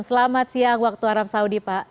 selamat siang waktu arab saudi pak